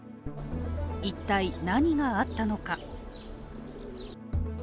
一体、何があったのか。